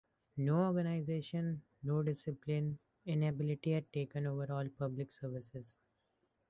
No organization, no discipline: inability had taken over all public services.